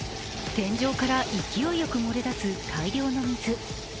天井から勢いよく漏れ出す大量の水。